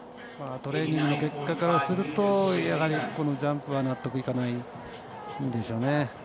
トレーニングの結果からするとジャンプは納得いかないでしょう。